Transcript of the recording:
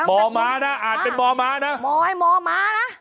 มอม้านะอ่านเป็นมอม้านะ